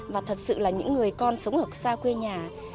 và thật sự là những người con sống ở xa quê nhà